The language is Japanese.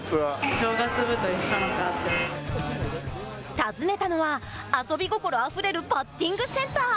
訪ねたのは、遊び心あふれるバッティングセンター。